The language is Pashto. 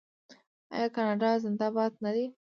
آیا کاناډا زنده باد نه دی؟